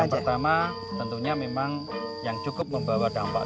yang pertama tentunya memang yang cukup membawa dampak